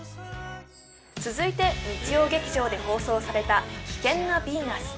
続いて日曜劇場で放送された「危険なビーナス」